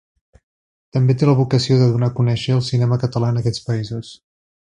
També té la vocació de donar a conèixer el cinema català en aquests països.